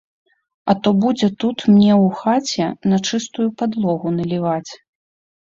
А то будзе тут мне ў хаце на чыстую падлогу наліваць.